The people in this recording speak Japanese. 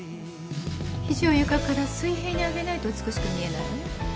肘を床から水平に上げないと美しく見えないわよ。